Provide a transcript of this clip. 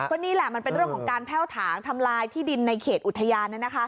ก็นี่แหละมันเป็นเรื่องของการแพ่วถางทำลายที่ดินในเขตอุทยาน